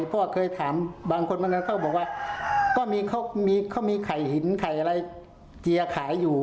เพราะว่าเคยถามบางคนเค้าบอกว่าเขามีไข่หินไข่อะไรเจียขายอยู่